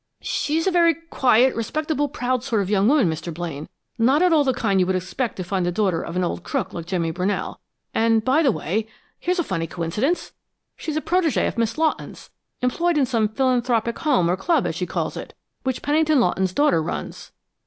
"She's a very quiet, respectable, proud sort of young woman, Mr. Blaine not at all the kind you would expect to find the daughter of an old crook like Jimmy Brunell. And by the way, here's a funny coincidence! She's a protégée of Miss Lawton's, employed in some philanthropic home or club, as she calls it, which Pennington Lawton's daughter runs."